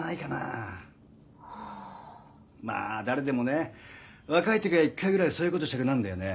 まあ誰でもね若い時は１回ぐらいそういう事したくなんだよね。